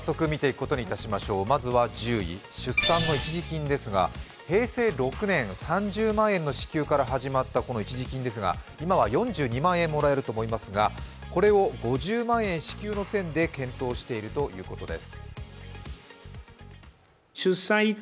まずは１０位、出産の一時金ですが平成６年、３０万円の支給から始まったこの一時金ですが今は４２万円もらえると思いますが、これを５０万円支給の線で検討しているということです。